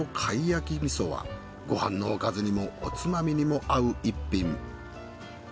ご飯のおかずにもおつまみにも合う一品。